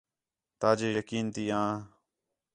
تاجے یقین تی آں